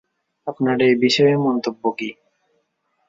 আপনার এই বিষয়ে মন্তব্য কী?